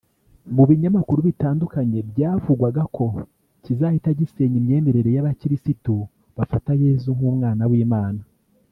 mu binyamakuru bitandukanye byavugwaga ko kizahita gisenya imyemerere y’Abakirisitu bafata Yezu nk’umwana w’Imana